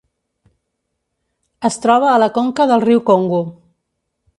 Es troba a la conca del riu Congo.